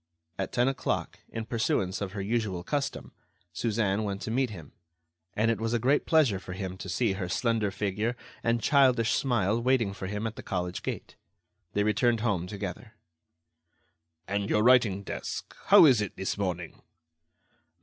At ten o'clock, in pursuance of her usual custom, Suzanne went to meet him, and it was a great pleasure for him to see her slender figure and childish smile waiting for him at the college gate. They returned home together. "And your writing desk—how is it this morning?"